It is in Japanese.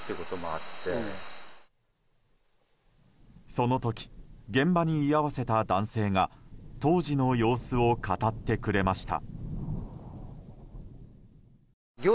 その時現場に居合わせた男性が当時の様子を語ってくれました。